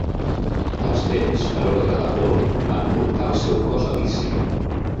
Els vents, per ordre d'Apol·lo, van portar el seu cos a Lícia.